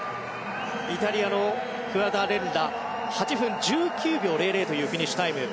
イタリアのクアダレッラは８分１９秒００というフィニッシュタイム。